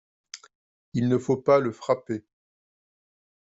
Il ne faut pas le frapper.